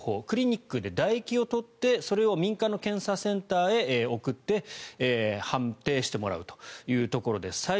クリニックでだ液を採ってそれを民間の検査センターへ送って判定してもらうというところです。